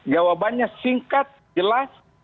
jawabannya singkat jelas